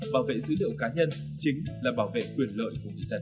bảo vệ dữ liệu cá nhân chính là bảo vệ quyền lợi của người dân